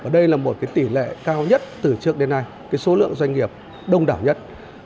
đây là một tỷ lệ cao nhất từ trước đến nay số lượng doanh nghiệp đông đảo nhất